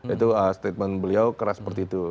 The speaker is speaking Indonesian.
itu statement beliau keras seperti itu